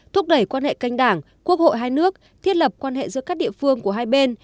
thúc đẩy quan hệ canh đảng quốc hội hai nước thiết lập quan hệ giữa các địa phương của hai bên